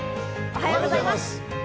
おはようございます。